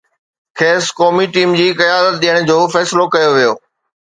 کيس قومي ٽيم جي قيادت ڏيڻ جو فيصلو ڪيو ويو.